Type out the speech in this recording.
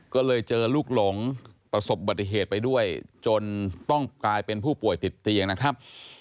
ก็เลยเจอลูกหลงประสบบัติเหตุไปด้วยจนต้องกลายเป็นผู้ป่วยติดเตียงนะครับ